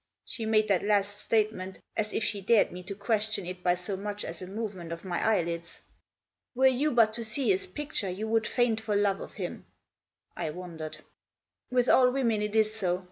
She made that last statement as if she dared me to ques tion it by so much as a movement of my eyelids. " Were you but to see his picture you would faint for love of him." I wondered. " With all women it is so.